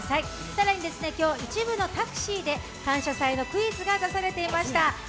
更に今日一部のタクシーで感謝祭のクイズが出されていました。